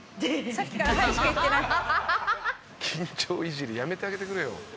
緊張いじりやめてあげてくれよ。